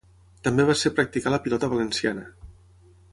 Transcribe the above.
També va ser practicar la pilota valenciana.